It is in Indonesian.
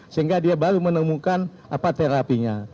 sehingga dia baru menemukan apa terapinya